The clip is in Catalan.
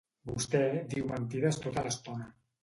Vostè diu mentides tota l’estona.